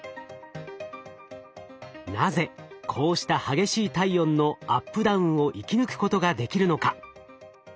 なぜこうした激しい体温のアップダウンを生き抜くことができるのか。